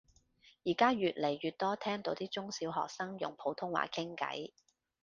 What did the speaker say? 而家越嚟越多聽到啲中小學生用普通話傾偈